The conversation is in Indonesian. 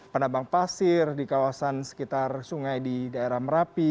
penabang pasir di kawasan sekitar sungai di daerah merapi